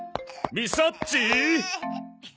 みさっち？